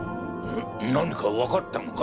何かわかったのか？